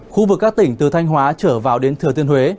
khu vực các tỉnh từ thanh hóa trở vào đến thừa tiên huế